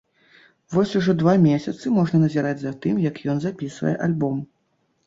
Вось ужо два месяцы можна назіраць за тым, як ён запісвае альбом.